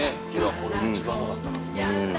これ一番うまかったな。